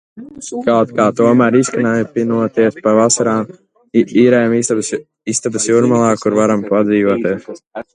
Kaut kā tomēr izknapinoties pa vasarām īrējam istabas Jūrmalā kur varam padzīvoties.